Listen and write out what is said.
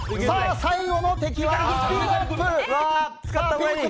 最後の敵はスピードアップ！